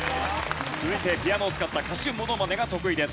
続いてピアノを使った歌手モノマネが得意です。